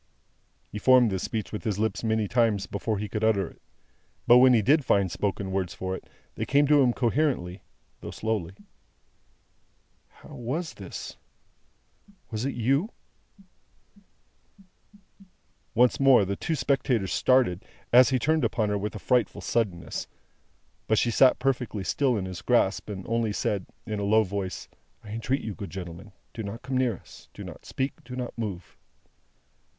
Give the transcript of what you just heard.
He formed this speech with his lips many times before he could utter it. But when he did find spoken words for it, they came to him coherently, though slowly. "How was this? Was it you?" Once more, the two spectators started, as he turned upon her with a frightful suddenness. But she sat perfectly still in his grasp, and only said, in a low voice, "I entreat you, good gentlemen, do not come near us, do not speak, do not move!"